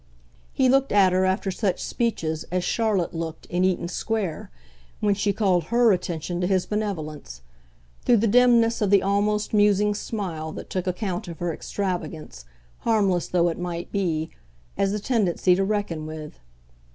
He looked at her, after such speeches, as Charlotte looked, in Eaton Square, when she called HER attention to his benevolence: through the dimness of the almost musing smile that took account of her extravagance, harmless though it might be, as a tendency to reckon with.